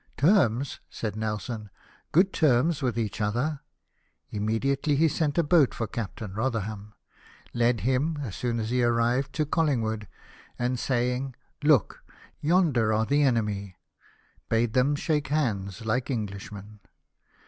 " Terms !" said Nelson ;" good terms with each other !" Imme diately he sent a boat for Captain Rotherham ; led him, as soon as he arrived., to CoUingwood, and saying, " Look, yonder are the enemy !" bade them shake hands like Englishmen.